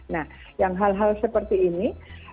nah yang hal hal seperti ini